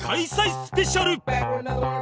スペシャル